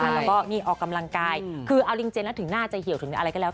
แล้วก็นี่ออกกำลังกายคือเอาลิงเจนแล้วถึงหน้าจะเหี่ยวถึงอะไรก็แล้ว